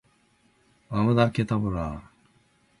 アバダ・ケタブラぁ！！！